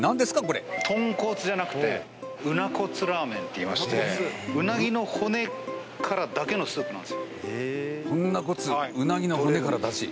とんこつじゃなくてうな骨ラーメンって言いましてうなぎの骨からだけのスープなんですよ。